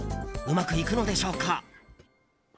うまくいくのでしょうか。